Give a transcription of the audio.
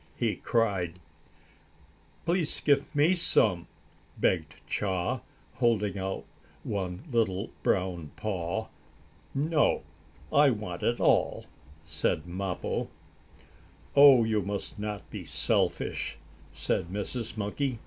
he cried. "Please give me some," begged Chaa, holding out one little, brown paw. "No, I want it all," said Mappo. "Oh, you must not be selfish!" said Mrs. Monkey.